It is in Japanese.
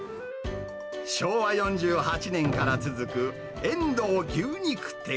昭和４８年から続く、遠藤牛肉店。